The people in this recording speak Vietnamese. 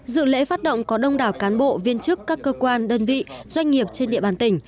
dự lễ phát động có đông đảo cán bộ viên chức các cơ quan đơn vị doanh nghiệp trên địa bàn tỉnh